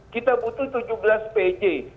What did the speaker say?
kita butuh tujuh belas pj